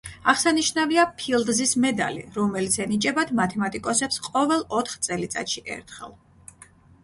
აღსანიშნავია ფილდზის მედალი, რომელიც ენიჭებათ მათემატიკოსებს ყოველ ოთხ წელიწადში ერთხელ.